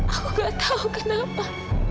aku gak tau kenapa